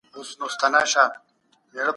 وکيل محمدګل نوري عطا عبدالله جان اغا